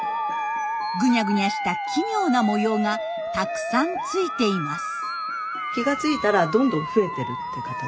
ぐにゃぐにゃした奇妙な模様がたくさんついています。